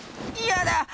いやだ！